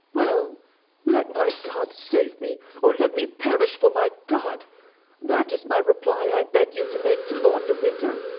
"Well, let my God save me, or let me perish for my God! That is the reply I beg you to make to Lord de Winter.